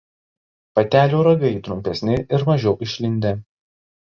Patelių ragai trumpesni ir mažiau išlindę.